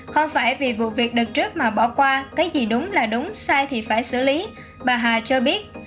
không phải vì vụ việc đợt trước mà bỏ qua cái gì đúng là đúng sai thì phải xử lý bà hà cho biết